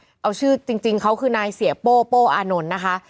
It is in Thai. เอาชื่อจริงเขาคือนายเสียโป้โป้อานนท์นะคะ